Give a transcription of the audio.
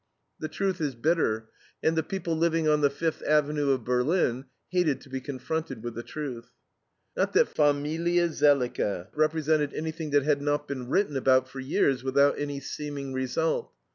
The truth is bitter, and the people living on the Fifth Avenue of Berlin hated to be confronted with the truth. Not that FAMILIE SELICKE represented anything that had not been written about for years without any seeming result.